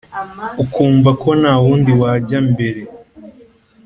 ukumva ko nta wundi wajya mbere